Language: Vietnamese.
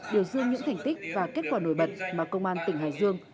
biểu dương những thành tích và kết quả nổi bật mà công an tỉnh hải dương